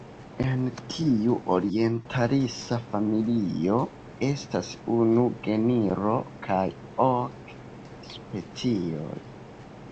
En tiu orientalisa familio estas unu genro kaj ok specioj.